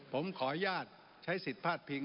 ผมขออนุญาตใช้สิทธิ์พาดพิง